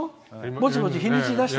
ぼちぼち日にち出して。